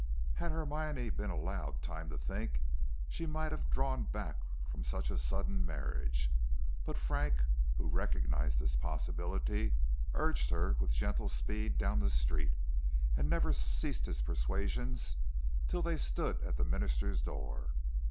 Had Hermione been allowed time to think, she might have drawn back from such a sudden marriage. But Frank, who recognized this possibility, urged her with gentle speed down the street, and never ceased his persuasions till they stood at the minister's door.